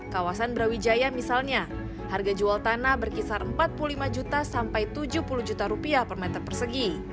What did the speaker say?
kawasan brawijaya misalnya harga jual tanah berkisar empat puluh lima juta sampai tujuh puluh juta rupiah per meter persegi